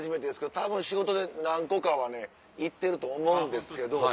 たぶん仕事で何個かはね行ってると思うんですけど。